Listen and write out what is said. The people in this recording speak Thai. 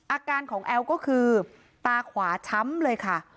อาการของแอลก็คือตาขวาช้ำเลยค่ะ